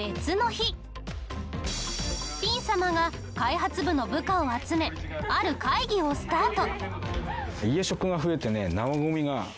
ピン様が開発部の部下を集めある会議をスタート。